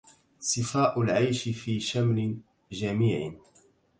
صفاء العيش في شمل جميع